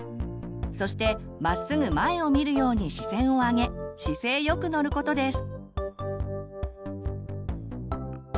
そしてまっすぐ前を見るように視線を上げ姿勢よく乗ることです。